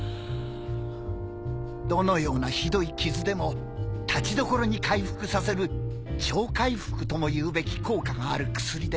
どのようなひどい傷でもたちどころに回復させる超回復ともいうべき効果がある薬です。